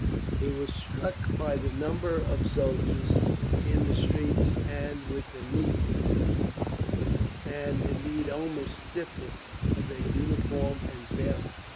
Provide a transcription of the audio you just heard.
He was struck by the number of soldiers in the streets, and with the neatness, and indeed almost stiffness, of their uniform and bearing.